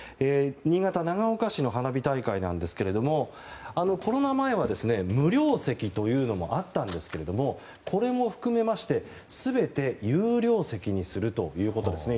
新潟・長岡市の花火大会ですがコロナ前は無料席というのもあったんですがこれも含めまして全て有料席にするということです。